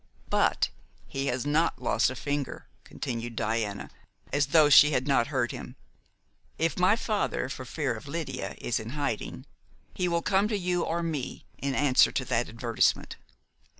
"But he has not lost a finger," continued Diana, as though she had not heard him. "If my father, for fear of Lydia, is in hiding, he will come to you or me in answer to that advertisement."